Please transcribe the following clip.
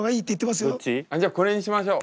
じゃあこれにしましょう。